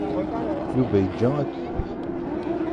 Yuba yeǧǧa akeyyef.